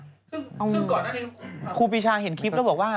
ซึ่งก่อนนั้นครูปีชาเห็นคลิปแล้วบอกว่า